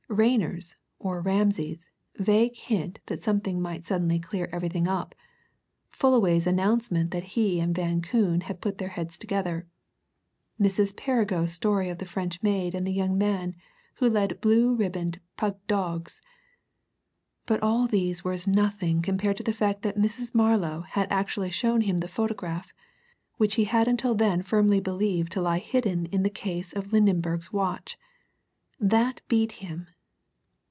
Rayner's, or Ramsay's, vague hint that something might suddenly clear everything up; Fullaway's announcement that he and Van Koon had put their heads together; Mrs. Perrigo's story of the French maid and the young man who led blue ribboned pug dogs but all these were as nothing compared to the fact that Mrs. Marlow had actually shown him the photograph which he had until then firmly believed to lie hidden in the case of Lydenberg's watch. That beat him.